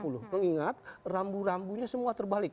lo ingat rambu rambunya semua terbalik